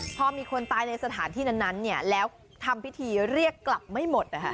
พอมีคนตายในสถานที่นั้นแล้วทำพิธีเรียกกลับไม่หมด